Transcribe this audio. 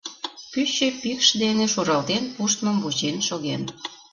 Пӱчӧ пикш дене шуралтен пуштмым вучен шоген.